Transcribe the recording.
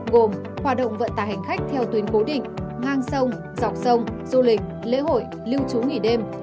gồm hoạt động vận tải hành khách theo tuyến cố định ngang sông dọc sông du lịch lễ hội lưu trú nghỉ đêm